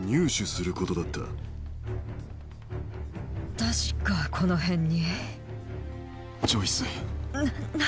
確かこの辺に。